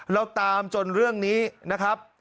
เราตามจนเรื่องนี้นะครับ